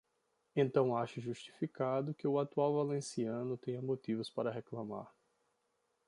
Então ache justificado que o atual valenciano tenha motivos para reclamar.